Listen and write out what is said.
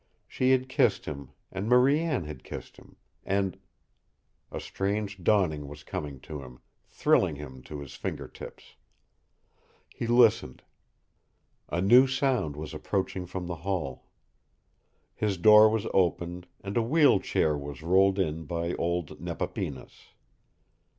She had kissed him, and Marie Anne had kissed him, and A strange dawning was coming to him, thrilling him to his finger tips. He listened. A new sound was approaching from the hall. His door was opened, and a wheel chair was rolled in by old Nepapinas.